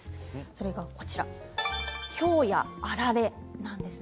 それが、ひょうやあられなんです。